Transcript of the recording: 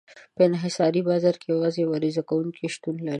په انحصاري بازار کې یوازې یو عرضه کوونکی شتون لري.